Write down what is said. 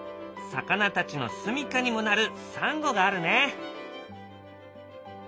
魚たちのすみかにもなるサンゴがあるね。